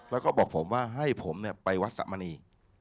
แล้วก็บอกผมว่าให้ผมไปวัดสะมณี